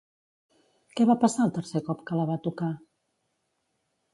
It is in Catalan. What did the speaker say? Què va passar el tercer cop que la va tocar?